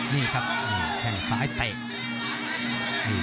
นี่แข่งซ้ายเตง